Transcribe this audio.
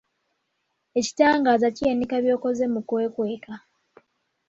Ekitangaaza kiyanika by'okoze mu kwekweka.